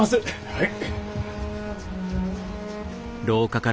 はい。